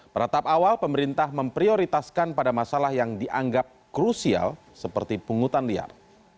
pada tahap awal pemerintah memprioritaskan pada masalah yang dianggap krusial seperti pungutan liar